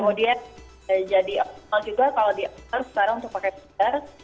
kemudian jadi optimal juga kalau diantar sekarang untuk pakai pinter